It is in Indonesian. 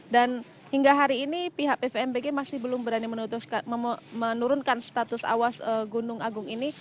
dan hingga hari ini pihak fmpg masih belum berani menurunkan status awas gunung agung ini